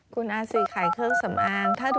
คุณอาเซขายเครื่องสำอาง